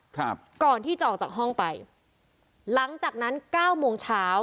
ครับก่อนที่จะออกจากห้องไปหลังจากนั้นเก้าโมงเช้า